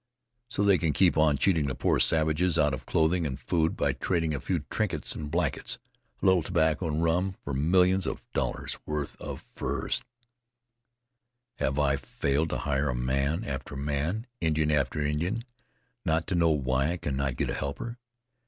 So they can keep on cheating the poor savages out of clothing and food by trading a few trinkets and blankets, a little tobacco and rum for millions of dollars worth of furs. Have I failed to hire man after man, Indian after Indian, not to know why I cannot get a helper?